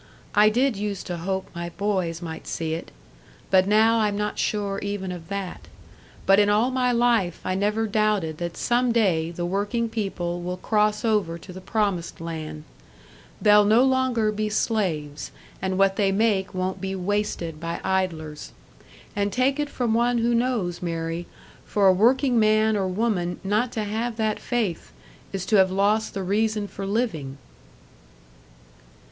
"I did use to hope my boys might see it but now I'm not sure even of that. But in all my life I never doubted that some day the working people will cross over to the promised land. They'll no longer be slaves, and what they make won't be wasted by idlers. And take it from one who knows, Mary for a workingman or woman not to have that faith, is to have lost the reason for living."